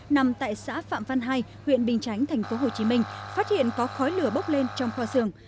nằm tại xã phạm văn hai huyện bình chánh tp hcm phát hiện có khói lửa bốc lên trong kho xưởng